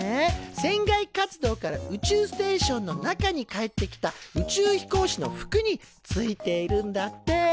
船外活動から宇宙ステーションの中に帰ってきた宇宙飛行士の服についているんだって。